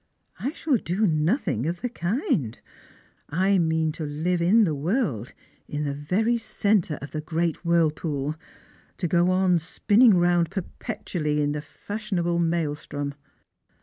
" I shall do nothing of the kind. I mean to hve in the world, in the very centre of the great whirlpool — to go spinning round perpetually in the fashionable maelstrom."